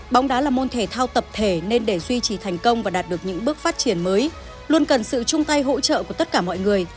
bóng đá là môn thể thao tập thể nên để duy trì thành công và đạt được những bước phát triển mới luôn cần sự chung tay hỗ trợ của tất cả mọi người